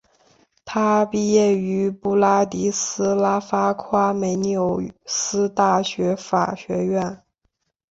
他毕业于布拉迪斯拉发夸美纽斯大学法学院。